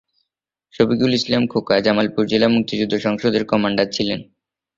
শফিকুল ইসলাম খোকা জামালপুর জেলা মুক্তিযোদ্ধা সংসদের কমান্ডার ছিলেন।